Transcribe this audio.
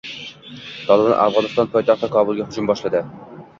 “Tolibon” Afg‘oniston poytaxti Kobulga hujum boshladi